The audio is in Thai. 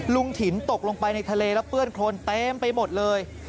ถินตกลงไปในทะเลแล้วเปื้อนโครนเต็มไปหมดเลย